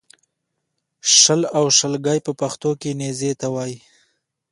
شل او شلګی په پښتو کې نېزې ته وایې